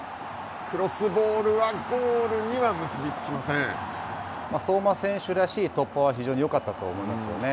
クロスボールはゴールには結び付相馬選手らしい突破は非常によかったと思いますよね。